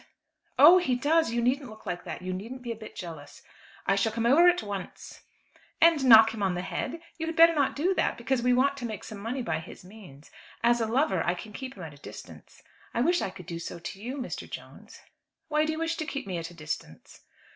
"Oh! he does. You needn't look like that. You needn't be a bit jealous." "I shall come over at once." "And knock him on the head! You had better not do that, because we want to make some money by his means. As a lover I can keep him at a distance. I wish I could do so to you, Mr. Jones." "Why do you wish to keep me at a distance?"